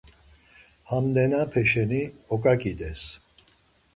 Ham nenape şeni oǩaǩides.